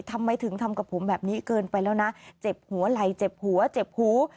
ทำไมถึงทำกับผมแบบนี้เกินไปแล้วนะเจ็บหัวไหล่เจ็บหัวเจ็บหู